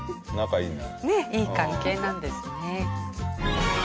いい関係なんですね。